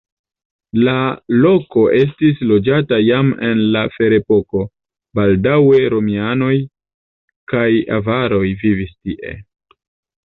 La loko estis loĝata jam en la ferepoko, baldaŭe romianoj kaj avaroj vivis tie.